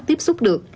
tiếp xúc được